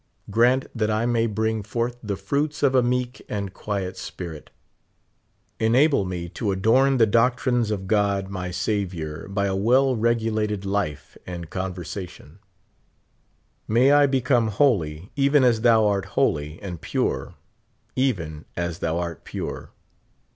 Grant that I may bring forth the fruits of a meek and quiet spirit. Enable me to adorn the doctrines of God my Saviour by a well regulated life and conver sation, ^lay I become holy, even as thou art holy, and pure, even as thou art pure.